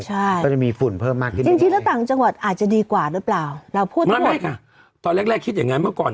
ใช่ก็จะมีฝุ่นเพิ่มมากขึ้นจริงจริงแล้วต่างจังหวัดอาจจะดีกว่าหรือเปล่าเราพูดไม่ค่ะตอนแรกแรกคิดอย่างงั้นเมื่อก่อน